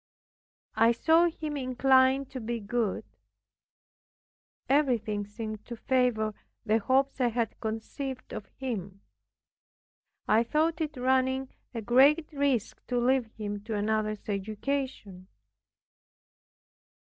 I saw him inclined to be good; everything seemed to favor the hopes I had conceived of him. I thought it running a great risk to leave him to another's education.